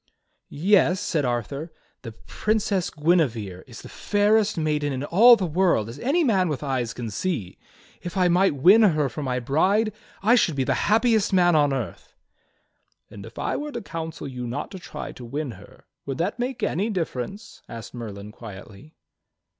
"Yes," said Arthur, "the Princess Guinevere is the fairest maiden in all the world, as any man with eyes can see. If I might win her for my bride I should be the happiest man on earth." "And if I were to counsel you not to try to win her, would that make any difference?" asked Merlin quietly.